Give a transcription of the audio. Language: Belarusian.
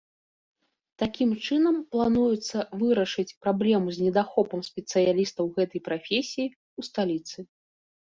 Такім чынам плануецца вырашыць праблему з недахопам спецыялістаў гэтай прафесіі ў сталіцы.